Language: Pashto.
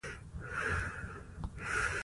افغانستان کې د ځمکه لپاره دپرمختیا پروګرامونه شته.